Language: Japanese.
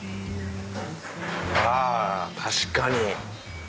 あ確かに。